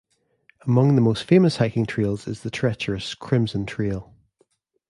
Among the most famous hiking trails is the treacherous Crimson Trail.